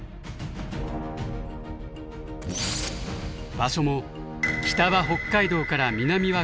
場所も北は北海道から南は熊本まで。